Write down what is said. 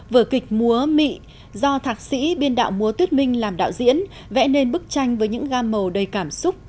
vở kịch múa mỹ do thạc sĩ biên đạo múa tuyết minh làm đạo diễn vẽ nên bức tranh với những gam màu đầy cảm xúc